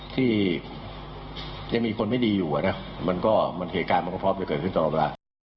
ที่ยังมีคนไม่ดีอยู่นะมันก็เหตุการณ์มันก็พร้อมจะเกิดขึ้นตลอดเวลา